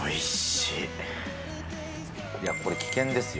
いや、これ、危険ですよ。